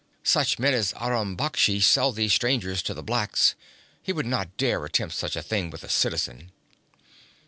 'Such men as Aram Baksh sell these strangers to the blacks. He would not dare attempt such a thing with a citizen.'